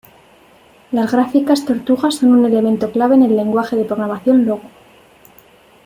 Las gráficas tortuga son un elemento clave en el Lenguaje de programación Logo.